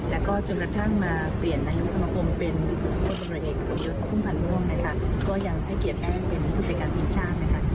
แล้วก็จนกระทั่งมาเปลี่ยนนายกสมคมเป็นผู้จัดการเอกสมยุทธภูมิภัณฑ์ม่วงก็ยังให้เกียรติแอ้งเป็นผู้จัดการทีมชาติ